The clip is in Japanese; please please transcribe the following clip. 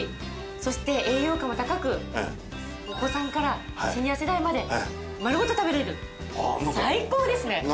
そして栄養価も高くお子さんからシニア世代まで丸ごと食べられる。